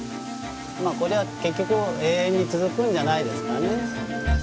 まあこれは結局永遠に続くんじゃないですかね。